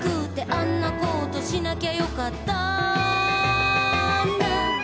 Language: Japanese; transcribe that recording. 「あんなことしなきゃよかったな」